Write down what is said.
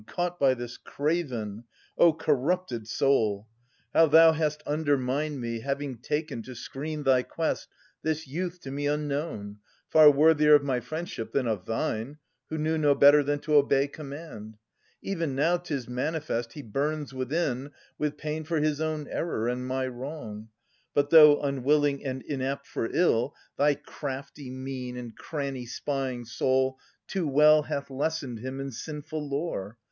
Caught by this craven ! O corrupted soul ! IO07 103S] Philodetes 303 How thou hast undermined me, having taken To screen thy quest this youth to me unknown, Far worthier of my friendship than of thine, Who knew no better than to obey command. Even now 'tis manifest he burns within With pain for his own error and my wrong. But, though unwilling and inapt for ill. Thy crafty, mean, and cranny spying soul Too well hath lessoned him in sinful lore.